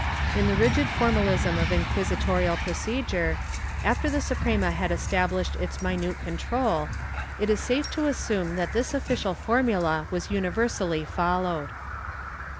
^ In the rigid formalism of inquisitorial procedure, after the Suprema had established its minute control, it is safe to assume that this official formula was universally followed.